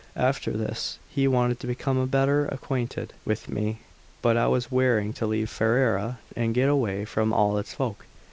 After this he wanted to become better acquainted with me; but I was wearying to leave Ferrara and get away from all its folk.